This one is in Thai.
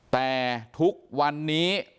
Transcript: แต่ทุกวันนี้